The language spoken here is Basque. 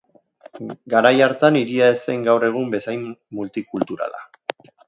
Garai hartan hiria ez zen gaur egun bezain multikulturala.